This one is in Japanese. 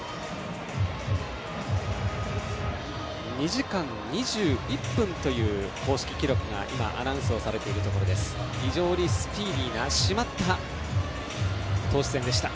２時間２１分という公式記録が今、アナウンスをされました。